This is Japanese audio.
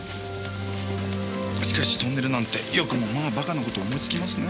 しかしトンネルなんてよくもまあバカな事思いつきますね。